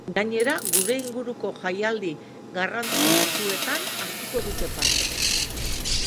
Gainera, gure inguruko jaialdi garrantzistuenetan hartuko dute parte.